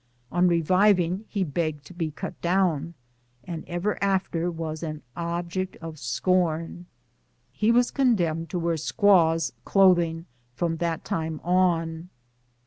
On reviving he begged to be cut down, and ever after was an object of scorn. He "svas con demned to wear squaw's clothing from that time on.